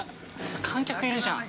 ◆観客いるじゃん。